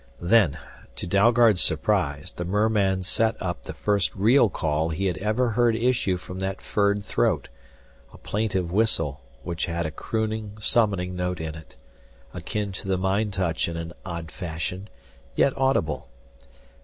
Then, to Dalgard's surprise the merman set up the first real call he had ever heard issue from that furred throat, a plaintive whistle which had a crooning, summoning note in it, akin to the mind touch in an odd fashion, yet audible.